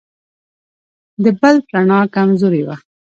د بلب رڼا کمزورې وه.